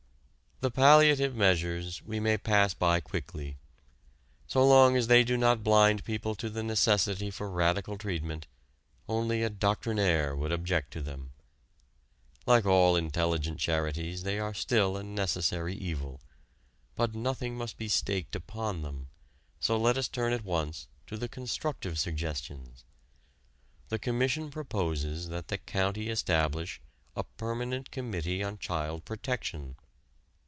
The palliative measures we may pass by quickly. So long as they do not blind people to the necessity for radical treatment, only a doctrinaire would object to them. Like all intelligent charities they are still a necessary evil. But nothing must be staked upon them, so let us turn at once to the constructive suggestions: The Commission proposes that the county establish a "Permanent Committee on Child Protection."